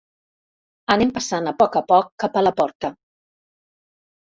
Anem passant a poc a poc cap a la porta.